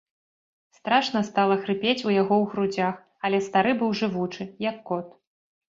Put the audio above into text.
Страшна стала хрыпець у яго ў грудзях, але стары быў жывучы, як кот.